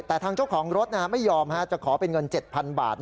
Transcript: แต่ทางเจ้าของรถไม่ยอมจะขอเป็นเงิน๗๐๐บาท